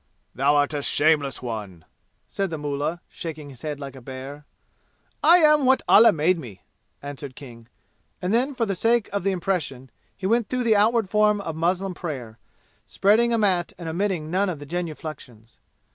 "Thou art a shameless one!" said the mullah, shaking his head like a bear. "I am what Allah made me!" answered King, and then, for the sake of the impression, he went through the outward form of muslim prayer, spreading a mat and omitting none of the genuflections.